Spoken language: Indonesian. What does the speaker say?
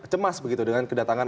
cemas begitu dengan kedatangan